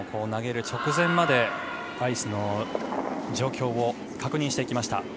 投げる直前までアイスの状況を確認していきました。